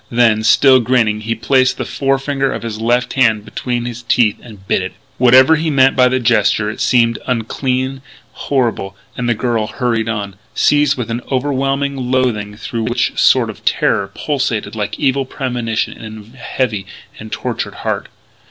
Then, still grinning, he placed the forefinger of his left hand between his teeth and bit it. Whatever he meant by the gesture it seemed unclean, horrible; and the girl hurried on, seized with an overwhelming loathing through which a sort of terror pulsated like evil premonition in a heavy and tortured heart.